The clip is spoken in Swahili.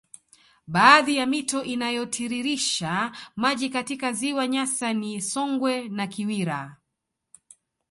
Baadhi ya mito inayotiririsha maji katika ziwa Nyasa ni Songwe na Kiwira